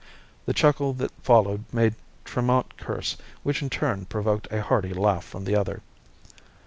The chuckle that followed made Tremont curse, which in turn provoked a hearty laugh from the other.